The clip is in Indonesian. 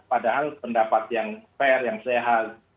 padahal pendapat yang fair yang sehat